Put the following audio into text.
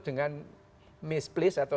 dengan misplis atau